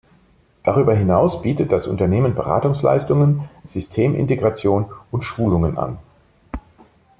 Darüber hinaus bietet das Unternehmen Beratungsleistungen, Systemintegration und Schulungen an.